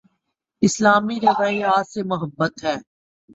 اسلامی روایات سے محبت ہے